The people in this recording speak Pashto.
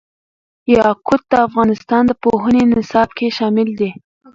یاقوت د افغانستان د پوهنې نصاب کې شامل دي.